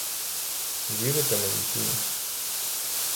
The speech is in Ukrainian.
Вірите мені чи ні?